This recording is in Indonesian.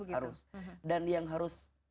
harus dan yang harus